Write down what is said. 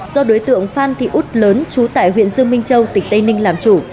do đối tượng phan thị út lớn trú tại huyện dương minh châu tỉnh tây ninh làm chủ